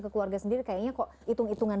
peminta terima kasihan